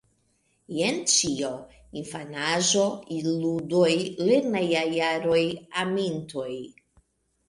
Jen ĉio: infanaĝo, ludoj, lernejaj jaroj, amintoj.